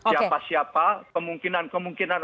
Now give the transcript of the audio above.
siapa siapa kemungkinan kemungkinan